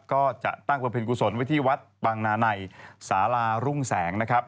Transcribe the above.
ก็จะตั้งบำเพ็ญกุศลไว้ที่วัดบางนาในสารารุ่งแสงนะครับ